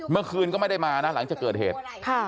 เมื่อคืนก็ไม่ได้มานะหลังจากเกิดเหตุ